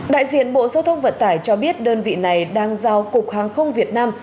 đại diện bộ giao thông vận tải cho biết đơn vị này đang giao cục hàng không việt nam